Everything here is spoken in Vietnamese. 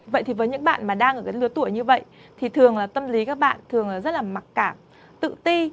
vậy thì với những bạn mà đang ở cái lứa tuổi như vậy thì thường là tâm lý các bạn thường rất là mặc cảm tự ti